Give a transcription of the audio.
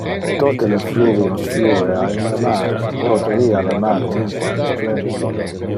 Tote le fluvios flue a in le mar, totevia le mar nunquam es plen.